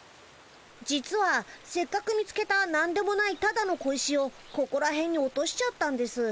実はせっかく見つけたなんでもないただの小石をここらへんに落としちゃったんです。